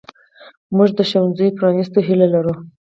موږ د ښوونځیو پرانیستو هیله لرو.